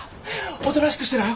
おとなしくしてろよ。